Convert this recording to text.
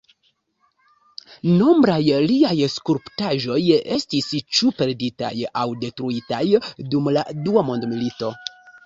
Nombraj liaj skulptaĵoj estis ĉu perditaj aŭ detruitaj dum la Dua Mondmilito.